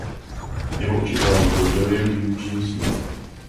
Jeho učitelem byl William Eugene Smith.